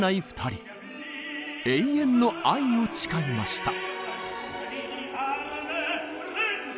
永遠の愛を誓いました。